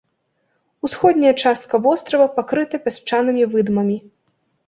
Усходняя частка вострава пакрыта пясчанымі выдмамі.